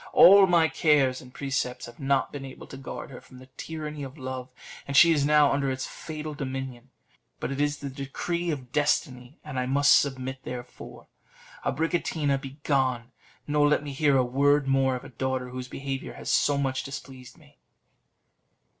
All my cares and precepts have not been able to guard her from the tyranny of love, and she is now under its fatal dominion. But it is the decree of destiny, and I must submit; therefore, Abricotina, begone! nor let me hear a word more of a daughter whose behaviour has so much displeased me."